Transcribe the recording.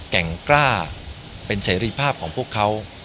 แก่งกล้าเป็นเสรีภาพของพวกเขา